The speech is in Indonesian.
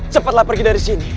cepatlah pergi dari sini